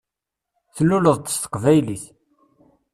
Tluleḍ-d s teqbaylit.